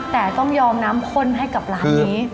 แต่ต้องยอมน้ำข้นให้กับร้านนี้